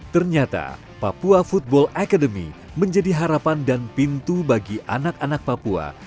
ternyata papua football academy menjadi harapan dan pintu bagi anak anak papua